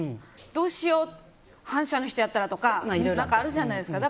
どうしよう反社の人やったらとかあるじゃないですか。